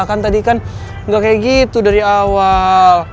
kan tadi kan nggak kayak gitu dari awal